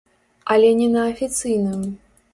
Але не на афіцыйным.